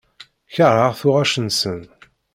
Keṛheɣ tuɣac-nsen.